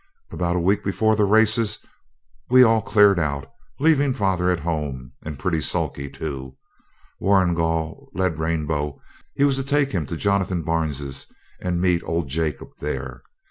About a week before the races we all cleared out, leaving father at home, and pretty sulky too. Warrigal led Rainbow; he was to take him to Jonathan Barnes's, and meet old Jacob there.